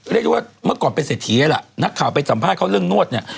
เรียกได้ว่าเมื่อก่อนเป็นเศรษฐีเลยล่ะนักข่าวไปสัมภาษณ์เขาเรื่องนวดเนี่ย